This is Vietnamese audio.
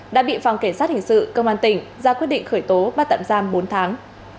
đã bị phòng kiểm soát hình sự công an tỉnh ra quyết định khởi tố bắt tậm giam bốn tháng